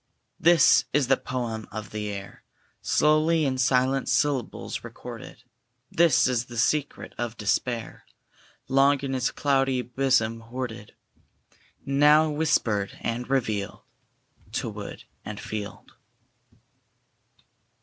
This is the poem of the air, Slowly in silent syllables recorded; This is the secret of despair, Long in its cloudy bosom hoarded, Now whispered and revealed To wood and field.